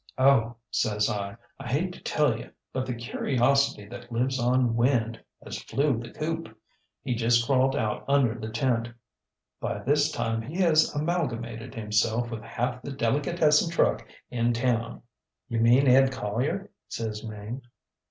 ŌĆ£ŌĆśOh, ŌĆÖ says I, ŌĆśI hate to tell you; but the curiosity that lives on wind has flew the coop. He just crawled out under the tent. By this time he has amalgamated himself with half the delicatessen truck in town. ŌĆÖ ŌĆ£ŌĆśYou mean Ed Collier? ŌĆÖ says Mame.